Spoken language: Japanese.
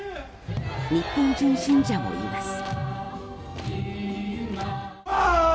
日本人信者もいます。